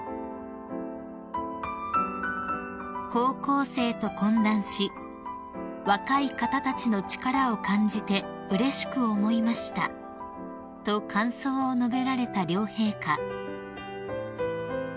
［高校生と懇談し「若い方たちの力を感じてうれしく思いました」と感想を述べられた両陛下］